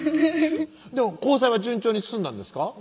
交際は順調に進んだんですか？